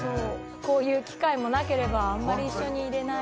こういう機会もなければあんまり一緒にいれない。